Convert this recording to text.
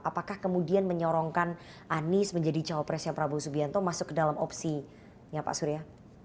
apakah kemudian menyorongkan anies menjadi cowok presnya prabowo subianto masuk ke dalam opsinya pak surya